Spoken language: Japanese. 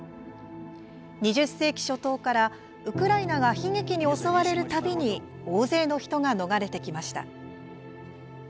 ２０世紀初頭から、ウクライナが悲劇に襲われるたびに大勢の人が逃れてきました。